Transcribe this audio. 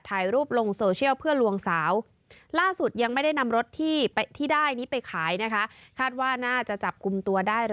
โทรศัพท์